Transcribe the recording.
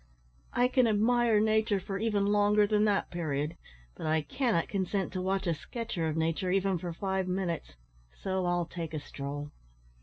"I can admire nature for even longer than that period, but I cannot consent to watch a sketcher of nature even for five minutes, so I'll take a stroll."